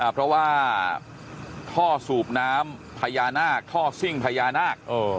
อ่าเพราะว่าท่อสูบน้ำนาคท่อซิ่งนาคโอ้